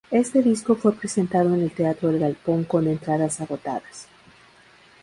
Este disco fue presentado en el teatro El Galpón con entradas agotadas.